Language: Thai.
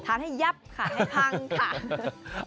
ทานให้ยับค่ะให้พังค่ะ